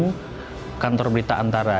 di kantor berita antara